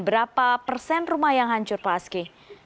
berapa persen rumah yang hancur pak aski